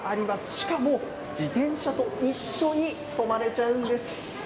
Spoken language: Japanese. しかも自転車と一緒に泊まれちゃうんです。